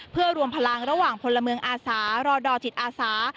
เพื่อรวมพลังระหว่างพลเมืองอาสารอดอจิตอาสา